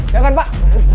ya kan pak